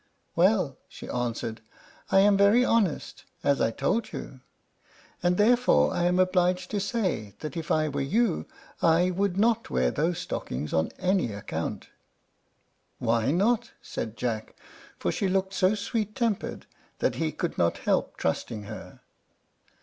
"Well," she answered, "I am very honest, as I told you; and therefore I am obliged to say that if I were you I would not wear those stockings on any account." "Why not?" said Jack; for she looked so sweet tempered that he could not help trusting her.